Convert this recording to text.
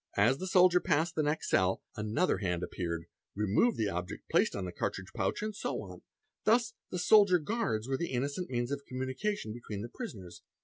As the soldier passed the next cell, another hand appeared, removed the object placed on the cartridge pouch, and so on: thus the soldier guards were the innocent means of communication between the prisoners.